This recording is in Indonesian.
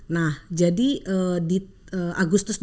nah jadi di agustus dua ribu dua puluh satu